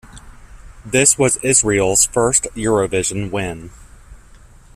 This was Israel's first Eurovision win.